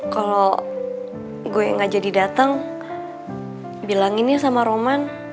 kalau gue gak jadi dateng bilanginnya sama roman